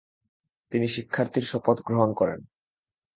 তিনি শিক্ষার্থীর শপথ গ্রহণ করেন।